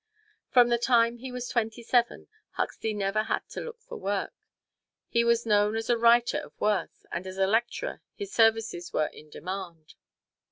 From the time he was twenty seven Huxley never had to look for work. He was known as a writer of worth, and as a lecturer his services were in demand.